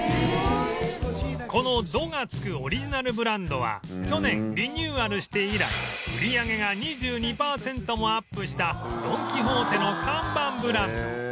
この「ド」が付くオリジナルブランドは去年リニューアルして以来売り上げが２２パーセントもアップしたドン・キホーテの看板ブランド